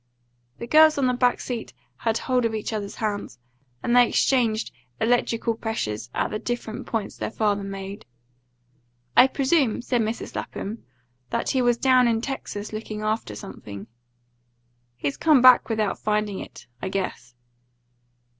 The girls on the back seat had hold of each other's hands, and they exchanged electrical pressures at the different points their father made. "I presume," said Mrs. Lapham, "that he was down in Texas looking after something." "He's come back without finding it, I guess."